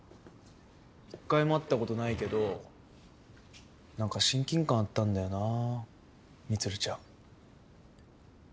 １回も会ったことないけどなんか親近感あったんだよな充ちゃん。